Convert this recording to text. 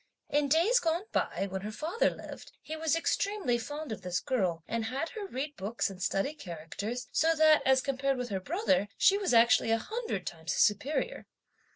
In days gone by, when her father lived, he was extremely fond of this girl, and had her read books and study characters, so that, as compared with her brother, she was actually a hundred times his superior.